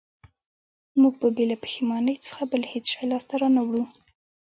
موږ به بې له پښېمانۍ څخه بل هېڅ شی لاسته را نه وړو